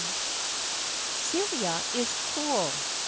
Celia is cruel.